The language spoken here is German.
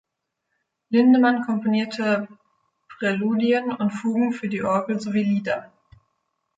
Lindeman komponierte Präludien und Fugen für die Orgel sowie Lieder.